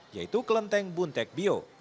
yaitu kelenteng buntek bio